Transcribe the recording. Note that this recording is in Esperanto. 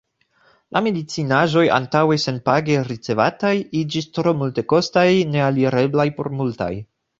La medicinaĵoj, antaŭe senpage ricevataj, iĝis tro multekostaj, nealireblaj por multaj.